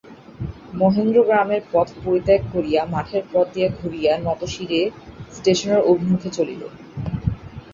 মহেন্দ্র গ্রামের পথ পরিত্যাগ করিয়া মাঠের পথ দিয়া ঘুরিয়া নতশিরে স্টেশনের অভিমুখে চলিল।